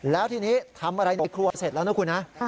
แล้วทีนี้ทำอะไรให้เครื่องบ้านเข้าโรงเทพสร้างเสร็จแล้วนะคุณนะ